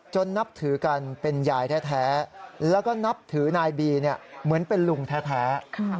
นับถือกันเป็นยายแท้แล้วก็นับถือนายบีเหมือนเป็นลุงแท้